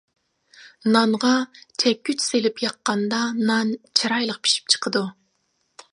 نانغا چەككۈچ سېلىپ ياققاندا نان چىرايلىق پىشىپ چىقىدۇ.